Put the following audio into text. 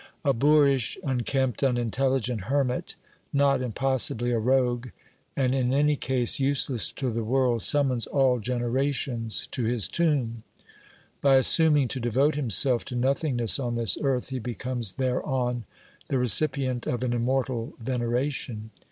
A boorish, unkempt, unintelligent hermit, not impossibly a rogue, and in any case useless to the world, summons all generations to his tomb. By assuming to devote himself to nothingness on this earth, he becomes thereon the recipient of an immortal veneration.